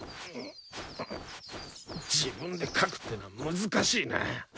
自分でかくってのは難しいな。